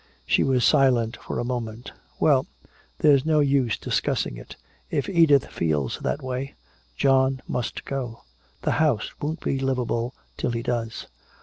She was silent for a moment. "Well, there's no use discussing it. If Edith feels that way, John must go. The house won't be livable till he does."